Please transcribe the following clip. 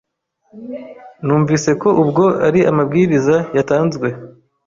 numvise ko ubwo ari amabwiriza yatanzwe